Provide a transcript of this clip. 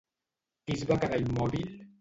Qui es va quedar immòbil?